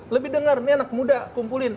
lebih dengar ini anak muda kumpulin